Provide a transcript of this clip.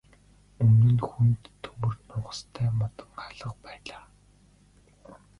Өмнө нь хүнд төмөр нугастай модон хаалга байлаа.